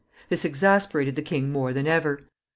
This exasperated the king more than ever.